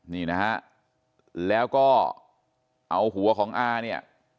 นี่นะฮะแล้วก็เอาหัวของอาเนี่ย